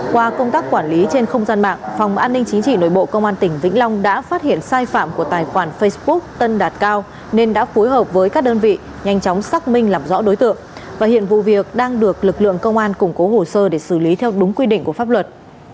qua công tác quản lý trên không gian mạng phòng an ninh chính trị nội bộ công an tỉnh vĩnh long đã phát hiện sai phạm của tài khoản facebook tân đạt cao nên đã phối hợp với các đơn vị nhanh chóng xác minh làm rõ đối tượng và hiện vụ việc đang được lực lượng công an củng cố hồ sơ để xử lý theo đúng quy định của pháp luật